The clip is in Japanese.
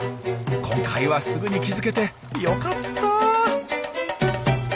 今回はすぐに気付けてよかった。